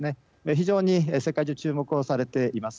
非常に世界中注目をされています。